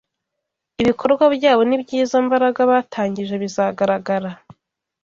ibikorwa byabo n’iby’izo mbaraga batangije bizagaragara